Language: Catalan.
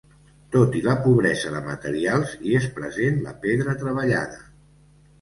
Tot i la pobresa de materials hi és present la pedra treballada.